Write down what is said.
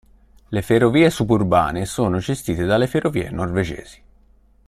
Le ferrovie suburbane sono gestite dalle ferrovie norvegesi.